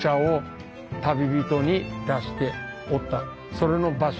それの場所